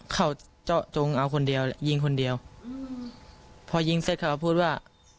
เขาเจาะจงเอาคนเดียวยิงคนเดียวพอยิงเสร็จเขาก็พูดว่า